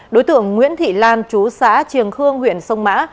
đối tượng nguyễn thị lan chú xã triềng khương huyện sông mã